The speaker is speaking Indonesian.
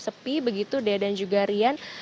sepi begitu dea dan juga rian